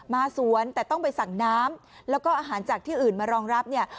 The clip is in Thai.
มาสวนแต่ต้องไปสั่งน้ำแล้วก็อาหารจากที่อื่นมารองรับเนี่ย